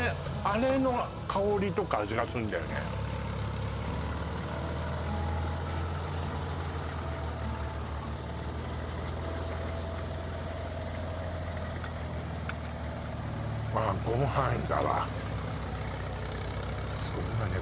あれの香りとか味がするんだよねああすごいわね